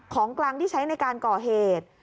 ของกลังได้การเก่าเหตุ